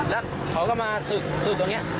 แล้วเขาก็มาศึกตรงนี้